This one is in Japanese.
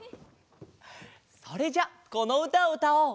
それじゃこのうたをうたおう！